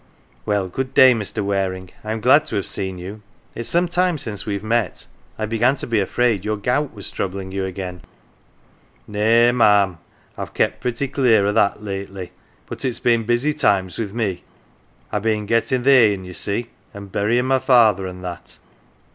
" Well, good day, Mr. Waring. I'm glad to have seen you. It's some time since we have met I began to be afraid your gout was troubling you again." "Nay, ma'am, I've kep' pretty clear o' that lately, 9 THORNLEIGH but it's been busy times with me. Fve been gettin' th' hay in, ye see, an' buryiiT my father, an 1 that.""